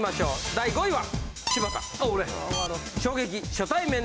第５位は。